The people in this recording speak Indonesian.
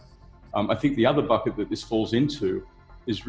saya pikir bukit lain yang ini masukkan